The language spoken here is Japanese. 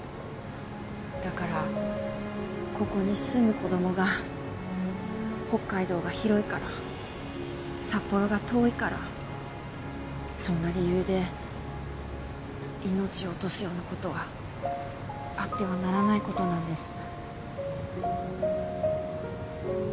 だからここに住む子供が北海道が広いから札幌が遠いからそんな理由で命を落とすようなことはあってはならないことなんです。